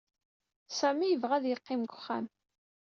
Sami yebɣa ad yeqqim deg uxxam.